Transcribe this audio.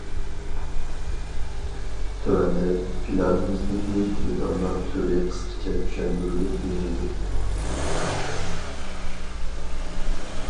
تۆۋەندە، پىلانىمىزدىكى مېداللار تۈرى قىسقىچە چۈشەندۈرۈلۈپ بېرىلدى.